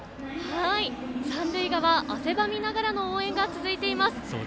三塁側、汗ばみながらの応援が続いています。